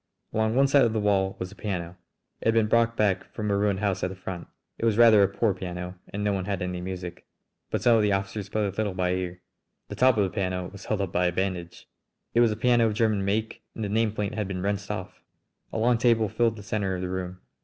Along one side of the wall was a piano. It had been brought back from a ruined house at the front. It was rather a poor piano and no one had any music, but some of the officers played a little by ear. The top of the piano was held up by a bandage! It was a piano of German make, and the nameplate had been wrenched off! A long table filled the centre of the room.